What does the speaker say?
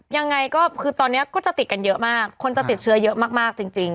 ยังไงก็คือตอนนี้ก็จะติดกันเยอะมากคนจะติดเชื้อเยอะมากจริง